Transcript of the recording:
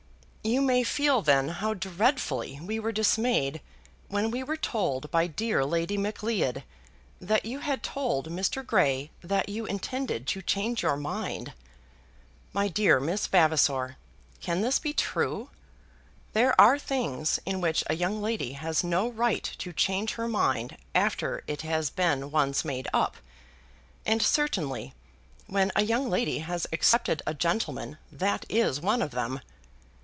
You may feel then how dreadfully we were dismayed when we were told by dear Lady Macleod that you had told Mr. Grey that you intended to change your mind! My dear Miss Vavasor, can this be true? There are things in which a young lady has no right to change her mind after it has been once made up; and certainly when a young lady has accepted a gentleman, that is one of them.